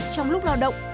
trong lúc lao động